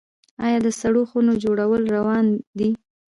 آیا د سړو خونو جوړول روان دي؟